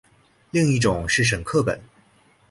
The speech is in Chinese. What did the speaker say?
另一种是沈刻本。